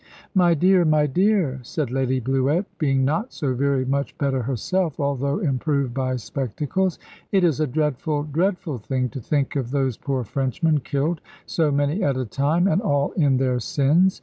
"My dear, my dear," said Lady Bluett, being not so very much better herself, although improved by spectacles; "it is a dreadful, dreadful thing to think of those poor Frenchmen killed, so many at a time, and all in their sins.